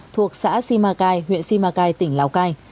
thuộc xã simacai huyện simacai tỉnh lào cai